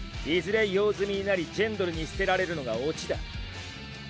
いずれ用済みになりジェンドルに捨てられるのがオチだ。